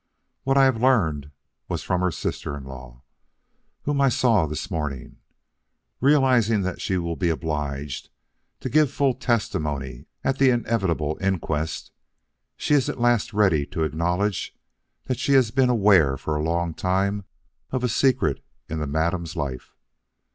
What I have learned was from her sister in law, whom I saw this morning. Realizing that she will be obliged to give full testimony at the inevitable inquest, she is at last ready to acknowledge that she has been aware for a long time of a secret in Madame's life.